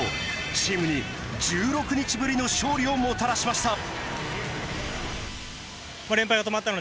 チームに１６日ぶりの勝利をもたらしました。